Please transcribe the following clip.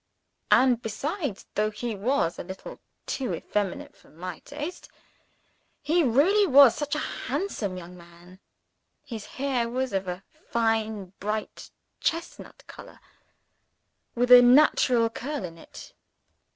And, besides though he was a little too effeminate for my taste he really was such a handsome young man! His hair was of a fine bright chestnut color, with a natural curl in it.